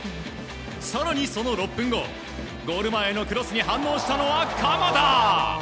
更にその６分後ゴール前のクロスに反応したのは鎌田！